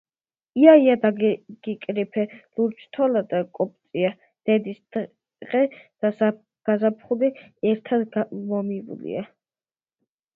ია-ია დაგიკრიფე, ლურჯთვალა და კოპწია. დედის დღე და გაზაფხული ერთად მომილოცია.